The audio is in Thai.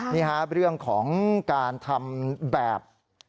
นี่ครับเรื่องของการทำแบบ